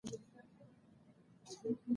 لوستې میندې د ماشوم هوساینه او روغتیا تضمینوي.